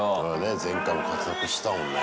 前回も活躍したもんね。